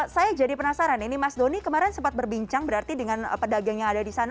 saya jadi penasaran ini mas doni kemarin sempat berbincang berarti dengan pedagang yang ada di sana